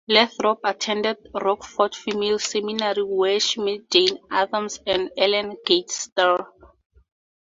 Lathrop attended Rockford Female Seminary where she met Jane Addams and Ellen Gates Starr.